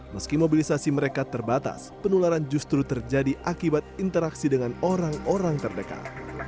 meski mobilisasi mereka terbatas penularan justru terjadi akibat interaksi dengan orang orang terdekat